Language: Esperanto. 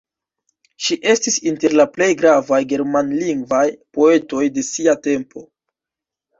Ŝi estis inter la plej gravaj germanlingvaj poetoj de sia tempo.